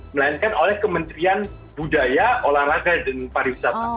melainkan oleh kementerian budaya olahraga dan pariwisata